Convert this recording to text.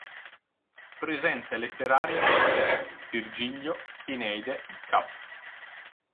Presenze letterarie antiche:Virgilio, Eneide cap.